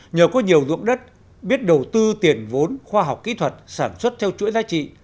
nhờ có nhiều dụng đất biết đầu tư tiền vốn khoa học kỹ thuật sản xuất theo chuỗi giá trị